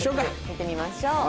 見てみましょう。